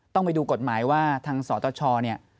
ต้องไปดูกฎหมายว่าทางสตชเนี่ย